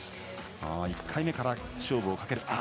１回目から勝負をかける。